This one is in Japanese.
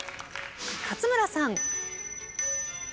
勝村さん。